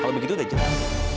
kalau begitu deh jatuh